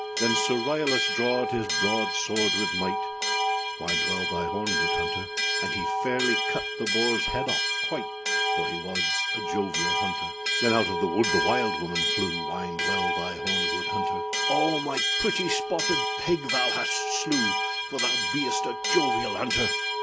Then Sir Ryalas drawed his broad sword with might, Wind well thy horn, good hunter; And he fairly cut the boarâs head off quite, For he was a jovial hunter. Then out of the wood the wild woman flew, Wind well thy horn, good hunter; âOh, my pretty spotted pig thou hast slew, For thou beest a jovial hunter.